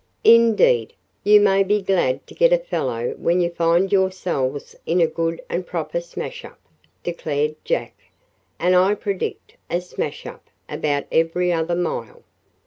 "Indeed, you may be glad to get a fellow when you find yourselves in a good and proper smashup," declared Jack, "and I predict a smash up about every other mile."